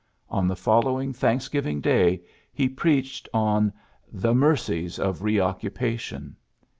On the follow ing Thanksgiving Day he i)reached on ^^The Mercies of Reoccupation.